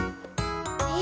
え